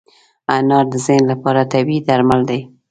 انار د ذهن لپاره طبیعي درمل دی.